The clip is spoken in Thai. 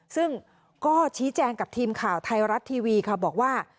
ซึ่งก็ชี้แจงกับทีมข่าวไทยรัฐทีวีค่ะบอกว่า